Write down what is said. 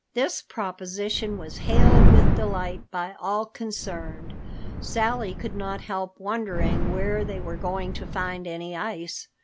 This proposition was hailed with delight by all concerned. Sally could not help wondering where they were going to find any ice.